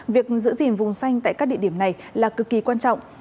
việc giữ gìn vùng xanh tại các địa điểm này là cực kỳ quan trọng